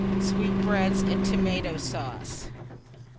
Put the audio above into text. Sweetbreads and Tomata Sauce.